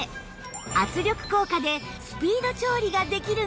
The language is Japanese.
圧力効果でスピード調理ができるんです